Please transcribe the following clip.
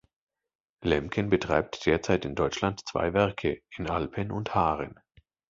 Lemken betreibt derzeit in Deutschland zwei Werke, in Alpen und Haren.